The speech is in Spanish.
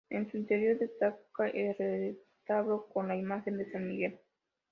En su interior, destaca el retablo, con la imagen de San Miguel.